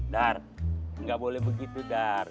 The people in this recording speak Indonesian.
dar nggak boleh begitu dar